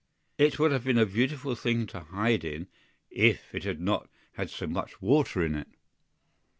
It would have been a beautiful thing to hide in, if it had not had so much water in it.